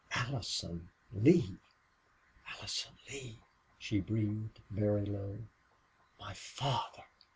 Allison Lee! "Allison Lee!" she breathed, very low. "MY FATHER!"